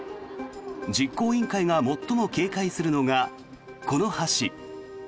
実行委員会が最も警戒するのがこの橋。